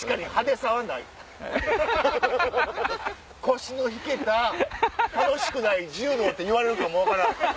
腰の引けた楽しくない柔道って言われるかも分からん。